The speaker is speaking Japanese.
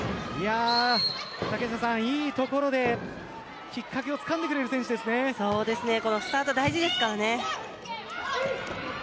いいところできっかけをつかんでくれるスタート、大事ですからね。